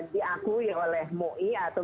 jadi itu adalah hal yang di dalam berdakwah